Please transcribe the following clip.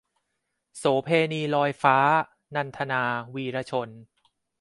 โสเภณีลอยฟ้า - นันทนา วีระชน